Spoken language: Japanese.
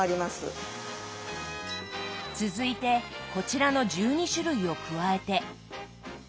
続いてこちらの１２種類を加えて。